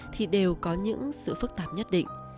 thì đều có những sự phức tạp nhất định